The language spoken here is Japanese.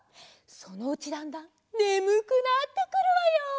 そのうちだんだんねむくなってくるわよ。